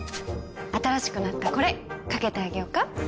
新しくなったこれかけてあげようか？